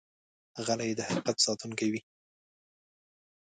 غلی، د حقیقت ساتونکی وي.